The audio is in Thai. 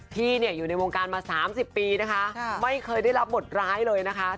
พี่เนี่ยอยู่ในวงการมา๓๐ปีนะคะไม่เคยได้รับบทร้ายเลยนะคะ